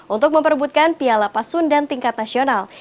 untuk memperbutkan piala pasun dan tingkat nasional